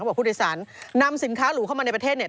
บอกผู้โดยสารนำสินค้าหรูเข้ามาในประเทศเนี่ย